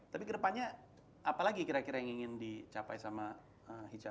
tapi kedepannya apalagi kira kira yang ingin dicapai sama hijab